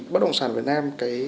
bất động sản việt nam